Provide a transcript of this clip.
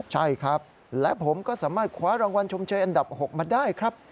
ใช่ครับและผมก็สามารถคว้ารางวัลชมเชยอันดับ๖มาได้ครับ